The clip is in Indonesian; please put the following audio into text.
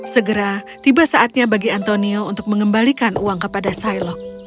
segera tiba saatnya bagi antonio untuk mengembalikan uang kepada sailok